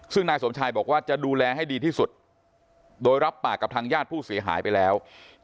ซึ่งนายสมชายบอกว่าจะดูแลให้ดีที่สุดโดยรับปากกับทางญาติผู้เสียหายไปแล้ว